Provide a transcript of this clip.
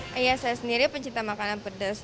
saya sendiri pencinta makanan pedas